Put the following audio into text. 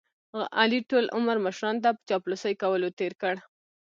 علي ټول عمر مشرانو ته په چاپلوسۍ کولو تېر کړ.